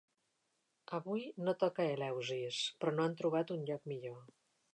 Avui no toca Eleusis, però no han trobat un lloc millor.